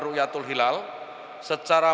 rukyatul hilal secara